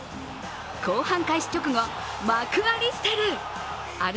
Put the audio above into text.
後半開始直後、マク・アリステル。